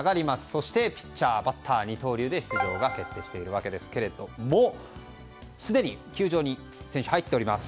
そしてピッチャー、バッター二刀流で出場が決定しているわけですけれどもすでに球場に選手が入っております。